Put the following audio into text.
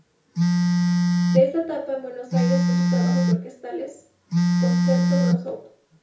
De esta etapa en Buenos Aires son sus trabajos orquestales "Concerto Grosso Op.